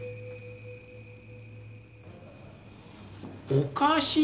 おかしい？